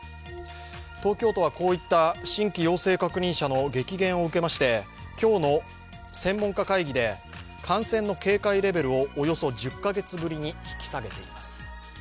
東京都はこういった新規陽性確認者の激減を受けまして今日の専門家会議で、感染の警戒レベルをおよそ１０カ月ぶりに引き下げています。